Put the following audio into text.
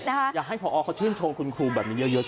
อยากให้พอออก็ชื่นชมคุณครูเยอะ